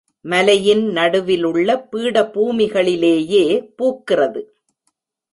மலையின் நடுவிலுள்ள பீட பூமிகளிலேயே பூக்கிறது.